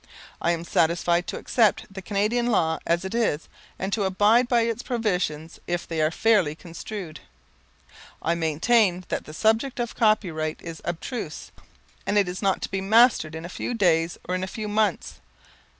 I am satisfied to accept the Canadian law as it is, and to abide by its provisions if they are fairly construed. I maintain that the subject of copyright is abstruse, and is not to be mastered in a few days or in a few months.